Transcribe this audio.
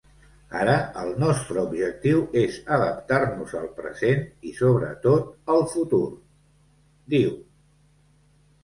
Ara el nostre objectiu és adaptar-nos al present i, sobretot, al futur, diu.